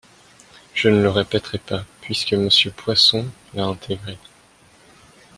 Je ne le répéterai pas, puisque Monsieur Poisson l’a intégré.